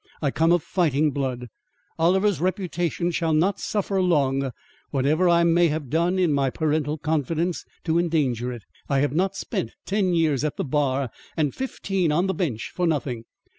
I come of fighting blood. Oliver's reputation shall not suffer long, whatever I may have done in my parental confidence to endanger it. I have not spent ten years at the bar, and fifteen on the bench for nothing.